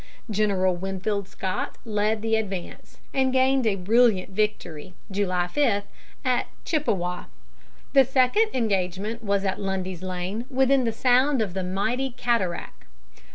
General Winfield Scott led the advance, and gained a brilliant victory, July 5, at Chippewa. The second engagement was at Lundy's Lane, within the sound of the mighty cataract.